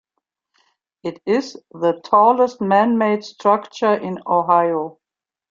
It is the tallest man-made structure in Ohio.